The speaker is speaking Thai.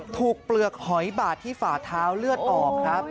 เปลือกหอยบาดที่ฝ่าเท้าเลือดออกครับ